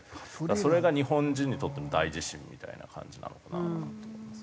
それが日本人にとっての大地震みたいな感じなのかなと思いますね。